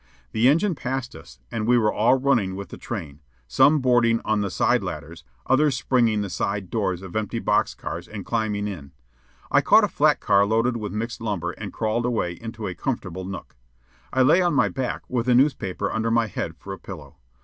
The engine passed us, and we were all running with the train, some boarding on the side ladders, others "springing" the side doors of empty box cars and climbing in. I caught a flat car loaded with mixed lumber and crawled away into a comfortable nook. I lay on my back with a newspaper under my head for a pillow.